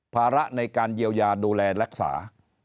ภาระในการเยียวยาดูแลรักษา